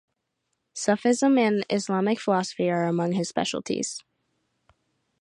Sufism and Islamic philosophy are among his specialities.